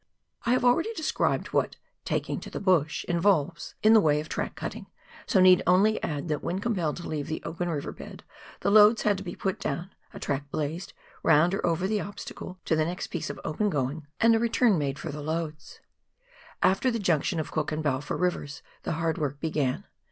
I have already described what " taking to the bush " involves in the way of track cutting, so need only add that when compelled to leave the open river bed, the loads had to be put down, a track "blazed" round or over the obstacle, to the next piece of open going, and a return made for the 128 PIONEER WORK IN THE ALPS OF NEW ZEALAND. loads. After tte junction of Cook and Balfour Rivers, the tard work began.